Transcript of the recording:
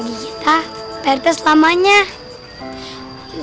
siapa yang diingini